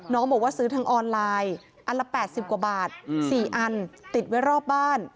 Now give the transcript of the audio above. น้องบอกว่าซื้อทางออนไลน์อันละ๘๐กว่าบาท๔อันติดไว้รอบบ้าน